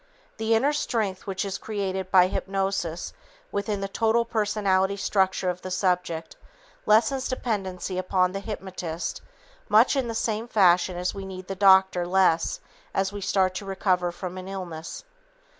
The inner strength which is created by hypnosis within the total personality structure of the subject lessens dependency upon the hypnotist, much in the same fashion that we need the doctor less as we start to recover from an illness.